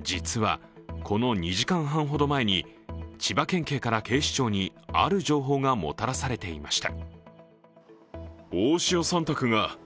実はこの２時間半ほど前に千葉県警から警視庁にある情報がもたらされていました。